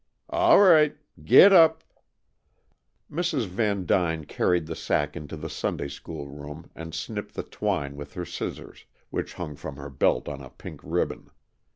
"All right! Gedap!" Mrs. Vandyne carried the sack into the Sunday school room and snipped the twine with her scissors, which hung from her belt on a pink ribbon.